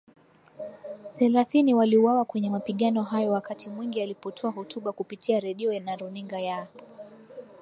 thelathini waliuawa kwenye mapigano hayo Wakati mwingi alipotoa hotuba kupitia redio na runinga ya